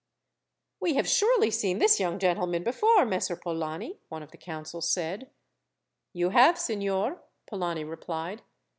"We have surely seen this young gentleman before, Messer Polani," one of the council said. "You have, signor," Polani replied.